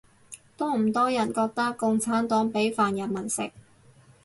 多唔多人覺得共產黨畀飯人民食